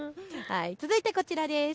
続いてこちらです。